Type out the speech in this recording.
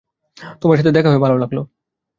তোমার সাথে দেখে হয়ে ভালো লাগল।